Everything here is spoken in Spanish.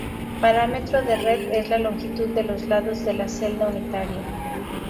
Parámetro de red: Es la longitud de los lados de la celda unitaria.